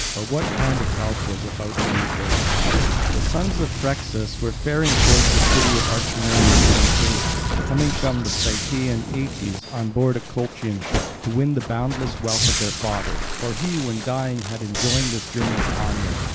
Or what kind of help was about to meet their desire? The sons of Phrixus were faring towards the city of Orchomenus from Aea, coming from Cytaean Aeetes, on board a Colchian ship, to win the boundless wealth of their father; for he, when dying, had enjoined this journey upon them.